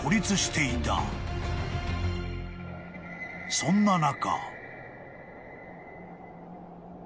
［そんな中］